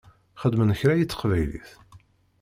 Xedmen kra i teqbaylit?